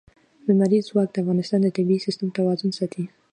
لمریز ځواک د افغانستان د طبعي سیسټم توازن ساتي.